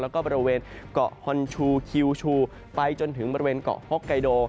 แล้วก็บริเวณเกาะฮอนชูคิวชูไปจนถึงบริเวณเกาะฮอกไกโด